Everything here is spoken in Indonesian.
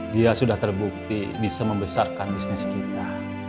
dia sudah terbukti bisa membesarkan bisnis kita